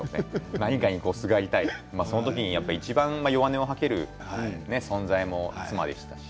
何かにすがりたいその時にいちばん弱根を吐ける存在も妻でしたし